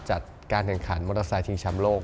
จัดการแข่งขันมอเตอร์ไซค์ชิงแชมป์โลก